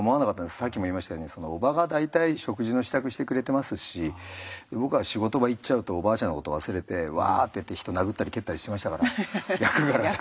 さっきも言いましたように叔母が大体食事の支度してくれてますし僕は仕事場行っちゃうとおばあちゃんのこと忘れてわっていって人殴ったり蹴ったりしてましたから役柄で。